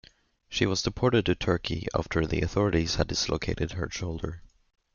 She was deported to Turkey after the authorities had dislocated her shoulder.